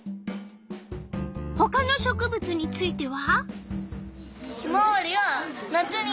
ほかの植物については？